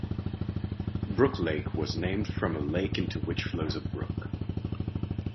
Brook Lake was named from a lake into which flows a brook.